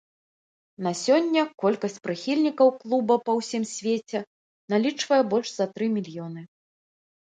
На сёння колькасць прыхільнікаў клуба па ўсім свеце налічвае больш за тры мільёны.